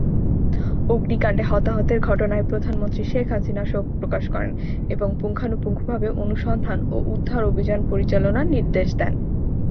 অগ্নিকাণ্ডে হতাহতের ঘটনায় প্রধানমন্ত্রী শেখ হাসিনা শোক প্রকাশ করেন এবং পুঙ্খানুপুঙ্খভাবে অনুসন্ধান ও উদ্ধার অভিযান পরিচালনার নির্দেশ দেন।